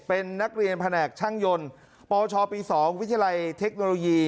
เป็นนักเรียนแผนกช่างยนต์ปชปี๒วิทยาลัยเทคโนโลยี